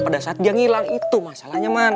pada saat dia ngilang itu masalahnya mana